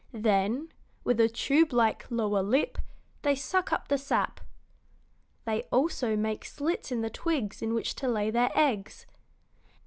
Then, with a tubelike lower lip, they suck up the sap. They also make slits in the twigs in which to lay their eggs.